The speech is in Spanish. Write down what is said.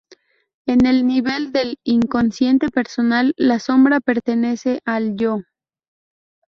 En el nivel del inconsciente personal la sombra pertenece al Yo.